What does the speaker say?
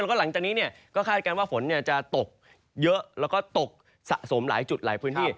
แล้วก็หลังจากนี้เนี่ยก็คาดการณ์ว่าฝนจะตกเยอะแล้วก็ตกสะสมหลายจุดหลายพื้นที่